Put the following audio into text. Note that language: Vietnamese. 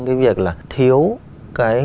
cái việc là thiếu cái